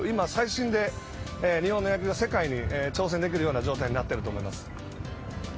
今最新で日本の野球が世界に挑戦できるような状態になっていると思います。